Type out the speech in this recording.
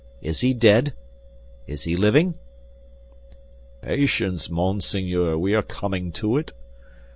Is he dead? Is he living?" "Patience, monseigneur, we are coming to it.